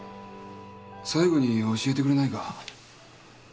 最後に教えてくれないか？